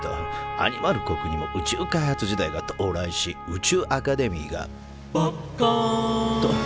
アニマル国にも宇宙開発時代が到来し宇宙アカデミーが「ばっかん！」と誕生。